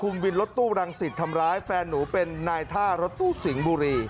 มาแล้ว